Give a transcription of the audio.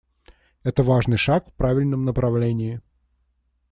Это важный шаг в правильном направлении.